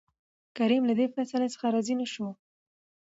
کريم له دې فيصلې څخه راضي نه شو.